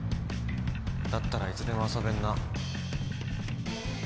だったらいつでも遊べるな